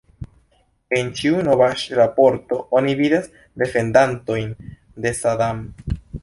En ĉiu novaĵ-raporto oni vidas defendantojn de Sadam.